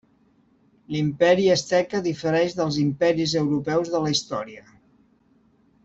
L'Imperi asteca difereix dels imperis europeus de la història.